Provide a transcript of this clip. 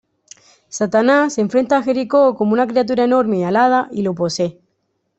Satanás se enfrenta a Jericó como una criatura enorme y alada y lo posee.